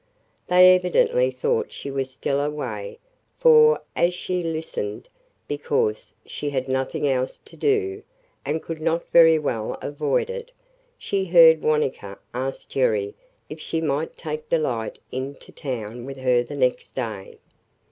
They evidently thought she was still away; for, as she listened, because she had nothing else to do and could not very well avoid it, she heard Wanetka ask Jerry if she might take Delight in to town with her next day.